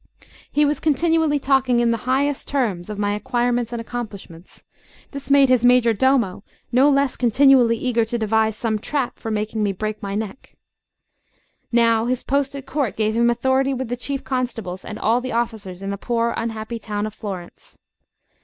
He was continually talking in the highest terms of my acquirements and accomplishments. This made his majordomo no less continually eager to devise some trap for making me break my neck. Now his post at court gave him authority with the chief constables and all the officers in the poor unhappy town of Florence.